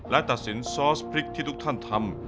และตัดสินซอสพริกที่ทุกท่านทำ